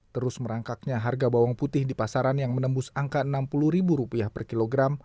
terus merangkaknya harga bawang putih di pasaran yang menembus angka rp enam puluh per kilogram